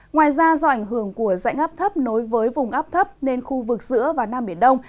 ngoài ra do ảnh hưởng của dạnh áp thấp nối với vùng áp thấp nên khu vực giữa và nam biển đông